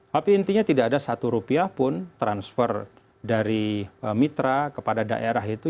tapi intinya tidak ada satu rupiah pun transfer dari mitra kepada daerah itu